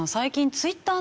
ツイッター？